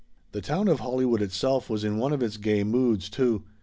The town of Hollywood itself was in one of its gay moods too.